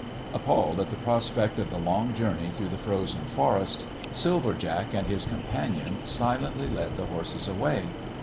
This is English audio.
Appalled at the prospect of the long journey through the frozen forest, Silver Jack and his companion silently led the horses away.